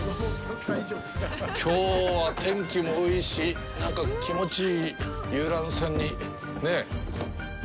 きょうは天気もいいし、なんか気持ちいい、遊覧船にねぇ。